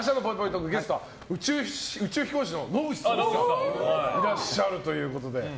トークゲストは宇宙飛行士の野口聡一さんがいらっしゃるということで。